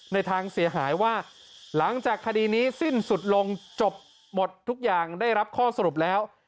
ในทางเสียหายว่าหลังจากคดีนี้สิ้นสุดลงจบหมดทุกอย่างได้รับข้อสรุปแล้ว